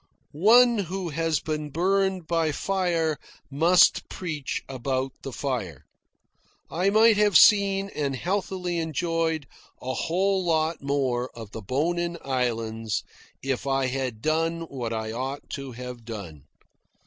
One who has been burned by fire must preach about the fire. I might have seen and healthily enjoyed a whole lot more of the Bonin Islands, if I had done what I ought to have done.